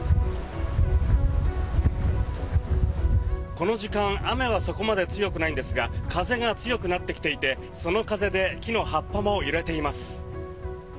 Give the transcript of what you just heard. この時間雨はそこまで強くないんですが風が強くなってきていてその風で木の葉っぱも揺れています。